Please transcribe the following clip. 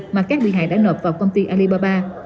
mà các bị hại đã nộp vào công ty alibaba